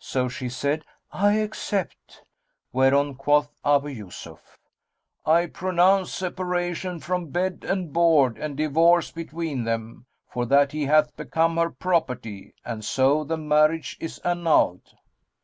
So she said, I accept;" whereon quoth Abu Yusuf, "I pronounce separation from bed and board and divorce between them, for that he hath become her property, and so the marriage is annulled."